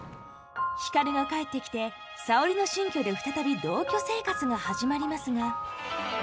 光が帰ってきて沙織の新居で再び同居生活が始まりますが。